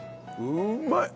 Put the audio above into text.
うまい！